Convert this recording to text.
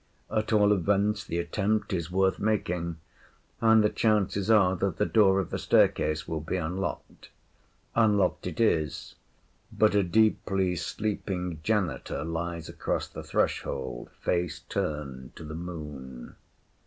At all events the attempt is worth making, and the chances are that the door of the staircase will be unlocked. Unlocked it is; but a deeply sleeping janitor lies across the threshold, face turned to the Moon.